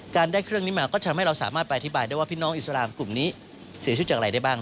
ได้เครื่องนี้มาก็ทำให้เราสามารถไปอธิบายได้ว่าพี่น้องอิสลามกลุ่มนี้เสียชีวิตจากอะไรได้บ้าง